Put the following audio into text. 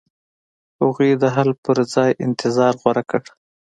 هغوی د حل په ځای انتظار غوره کړ.